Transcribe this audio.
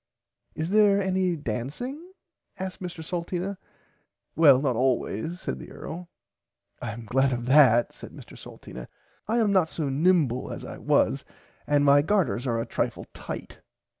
Is there any dancing asked Mr Salteena. Well not always said the Earl. I am glad of that said Mr Salteena I am [Pg 66] not so nimble as I was and my garters are a trifle tight.